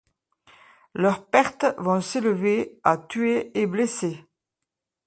Leurs pertes vont s'élever à tués et blessés.